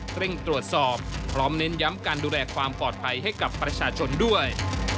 เร่งตรวจสอบพร้อมเน้นย้ำการดูแลความปลอดภัยให้กับประชาชนด้วย